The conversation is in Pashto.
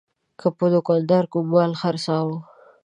که به دوکاندار کوم مال خرڅاوه.